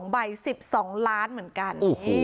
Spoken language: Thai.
ใบ๑๒ล้านเหมือนกัน